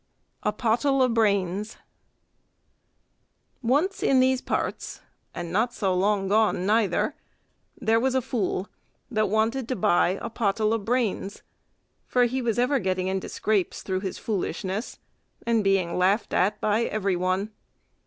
A Pottle o' Brains Once in these parts, and not so long gone neither, there was a fool that wanted to buy a pottle o' brains, for he was ever getting into scrapes through his foolishness, and being laughed at by every one.